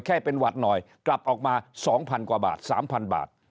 แค่เป็นหวัดหน่อยกลับออกมา๒๐๐กว่าบาท๓๐๐บาท